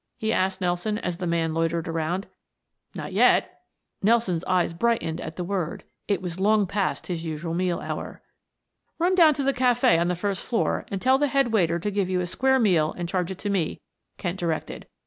he asked Nelson as the man loitered around. "Not yet" Nelson's eyes brightened at the word. It was long past his usual meal hour. "Run down to the cafe on the first floor and tell the head waiter to give you a square meal and charge it to me," Kent directed.